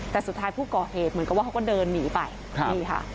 แต่สุดท้ายผู้ก่อเหตุเหมือนกับว่าเขาก็เดินหนีไปนี่ค่ะ